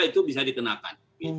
itu bisa dikenakan